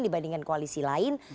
dibandingkan koalisi lain